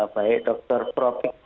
baik dokter profik